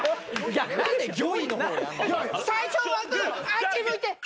あっち向いて。